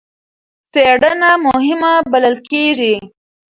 څېړنه مهمه بلل کېږي.